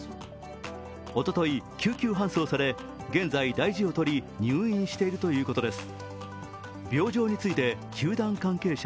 おととい救急搬送され、現在大事を取り入院しているということです。